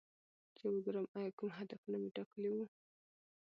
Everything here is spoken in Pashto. چې وګورم ایا کوم هدفونه مې ټاکلي وو